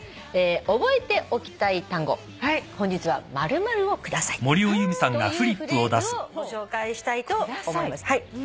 覚えておきたい単語本日は「○○をください」というフレーズをご紹介したいと思います。